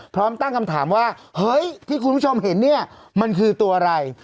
พร้อมตั้งคำถามว่าเฮ้ยที่คุณผู้ชมเห็นเนี่ยมันคือตัวอะไร